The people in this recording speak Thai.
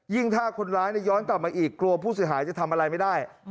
ถ้าคนร้ายย้อนกลับมาอีกกลัวผู้เสียหายจะทำอะไรไม่ได้